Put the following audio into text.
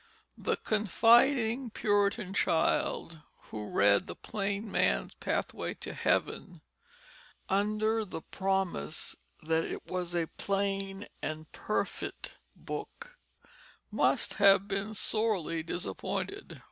The confiding Puritan child who read The Plain Man's Pathway to Heaven, under the promise that it was a "plaine and perfite" book, must have been sorely disappointed.